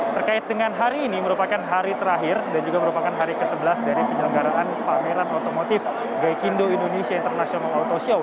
terkait dengan hari ini merupakan hari terakhir dan juga merupakan hari ke sebelas dari penyelenggaraan pameran otomotif gaikindo indonesia international auto show